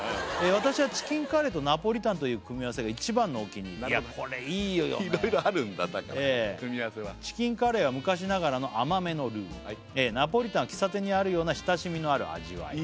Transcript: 「私はチキンカレーとナポリタンという組み合わせが一番のお気に入り」いやこれいいよねいろいろあるんだ組み合わせは「チキンカレーは昔ながらの甘めのルー」「ナポリタンは喫茶店にあるような親しみのある味わい」